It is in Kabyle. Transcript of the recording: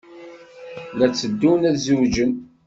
La tteddun ad zewǧen.